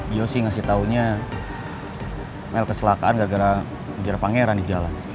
dia sih ngasih taunya mel kecelakaan gara gara ngejar pangeran di jalan